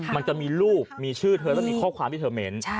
มันจะมีรูปมีชื่อเธอแล้วมีข้อความที่เธอเหม็น